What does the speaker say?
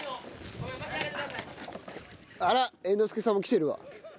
あら猿之助さんもきてるわ。